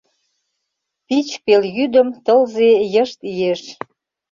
…Пич пелйӱдым Тылзе йышт иеш.